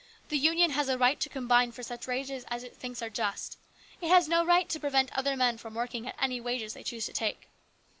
The Union has a right to combine for such wages as it thinks are just It has no right to prevent other men from working at any wages they choose to take.